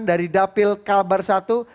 dari dapil kalbar i pak alex